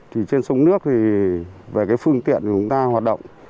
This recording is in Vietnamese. thì trên sông nước thì về cái phương tiện của chúng ta hoạt động